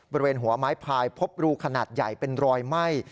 บริเวณหัวไม้พายพบรูขนาดใหญ่เป็นรอยไหม้